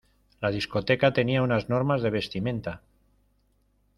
La discoteca tenía unas normas de vestimenta.